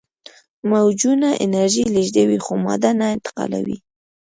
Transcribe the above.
موجونه انرژي لیږدوي خو ماده نه انتقالوي.